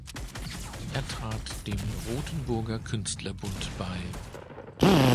Er trat dem Rothenburger Künstlerbund bei.